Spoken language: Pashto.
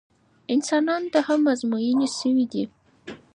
انسانانو ته هم ازموینې شوي دي.